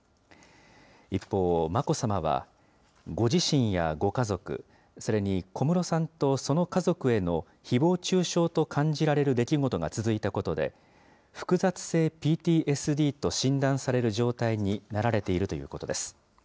一方、眞子さまは、ご自身やご家族、それに小室さんとその家族へのひぼう中傷と感じられる出来事が続いたことで、複雑性ＰＴＳＤと診断される状態になられているということです。